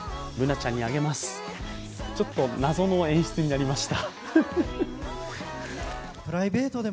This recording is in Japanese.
ちょっと謎の演出になりました。